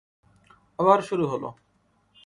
আবার শুরু হলো!